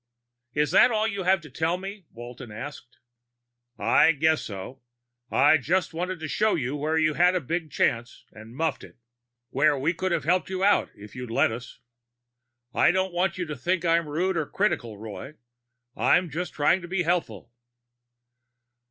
"Is that all you have to tell me?" Walton asked. "I guess so. I just wanted to show you where you had a big chance and muffed it. Where we could have helped you out if you'd let us. I don't want you to think I'm being rude or critical, Roy; I'm just trying to be helpful."